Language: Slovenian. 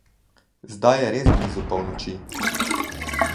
Zdaj je res blizu polnoči.